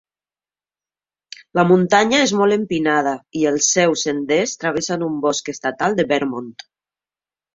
La muntanya és molt empinada, i els seus senders travessen un bosc estatal de Vermont.